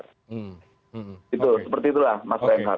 gitu seperti itulah mas reinhardt